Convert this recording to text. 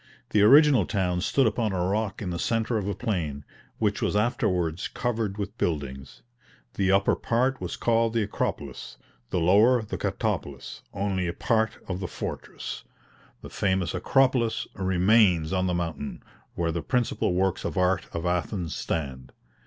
The original town stood upon a rock in the centre of a plain, which was afterwards covered with buildings; the upper part was called the "Acropolis," the lower the "Katopolis;" only a part of the fortress, the famous Acropolis, remains on the mountain, where the principal works of art of Athens stand.